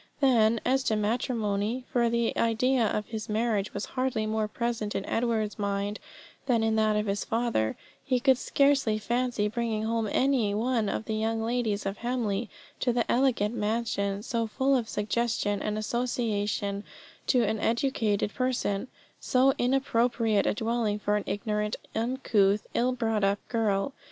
Then, as to matrimony for the idea of his marriage was hardly more present in Edward's mind than in that of his father he could scarcely fancy bringing home any one of the young ladies of Hamley to the elegant mansion, so full of suggestion and association to an educated person, so inappropriate a dwelling for an ignorant, uncouth, ill brought up girl.